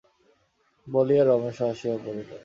বলিয়া রমেশও আসিয়া পড়িল।